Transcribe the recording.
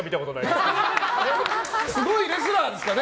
すごいレスラーですからね